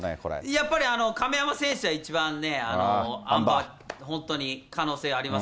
やっぱり亀山選手は、一番ね、あん馬、本当に可能性あります。